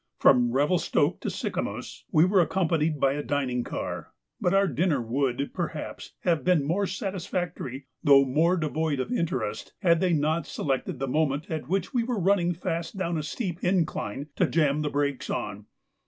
From Revelstoke to Sicamous we were accompanied by a dining car, but our dinner would, perhaps, have been more satisfactory, though more devoid of interest, had they not selected the moment at which we were running fast down a steep incline to jam the brakes on.